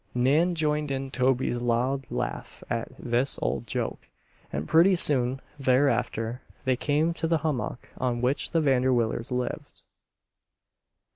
Nan joined in Toby's loud laugh at this old joke, and pretty soon thereafter they came to the hummock on which the Vanderwillers lived.